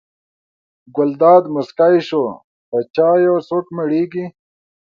ګلداد موسکی شو: په چایو څوک مړېږي.